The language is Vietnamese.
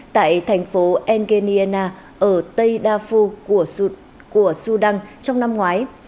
tại thành phố engeniana ở tây đa phu của sudan trong năm ngoái